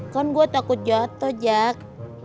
kan gua takut jatoh jack